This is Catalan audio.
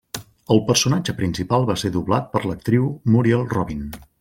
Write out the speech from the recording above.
El personatge principal va ser doblat per l'actriu Muriel Robin.